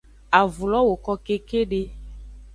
Avun lo woko kekede.